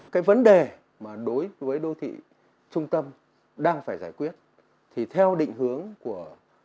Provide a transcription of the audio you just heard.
cái vấn đề mà đối với đô thị trung tâm đang phải giải quyết thì theo định hướng của